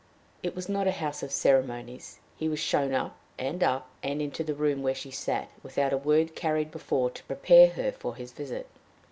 It was not a house of ceremonies; he was shown up and up and into the room where she sat, without a word carried before to prepare her for his visit.